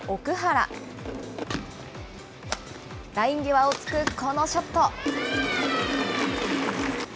ライン際をつくこのショット。